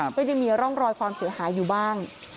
ก็ยังมีร่องรอยความเสียหายอยู่บ้าง